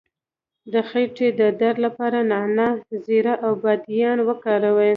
د خیټې د درد لپاره نعناع، زیره او بادیان وکاروئ